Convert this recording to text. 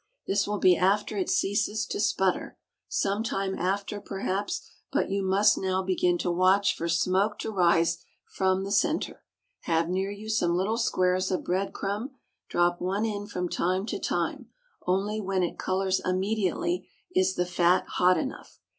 This will be after it ceases to sputter some time after, perhaps; but you must now begin to watch for smoke to rise from the centre. Have near you some little squares of bread crumb; drop one in from time to time; only when it colors immediately is the fat hot enough.